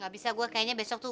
gak bisa gue kayaknya besok tuh